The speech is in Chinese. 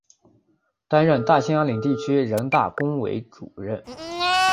担任大兴安岭地区人大工委主任。